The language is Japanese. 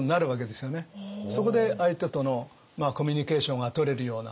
そこで相手とのコミュニケーションがとれるような。